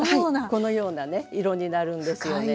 このようなね色になるんですよね。